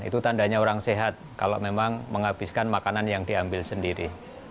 itu tandanya orang sehat kalau memang menghabiskan makanan yang diambil sendiri